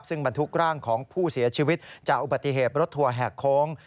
ซึ่งบรรทุกร่างของผู้เสียชีวิตจากอุบัติเหตุรถทัวร์แหกโค้ง